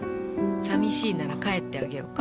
寂しいなら帰ってあげようか？